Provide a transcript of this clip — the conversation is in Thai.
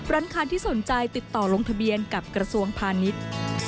ร้านค้าที่สนใจติดต่อลงทะเบียนกับกระทรวงพาณิชย์